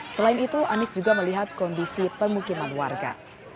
selain itu anies juga melihat kondisi permukiman warga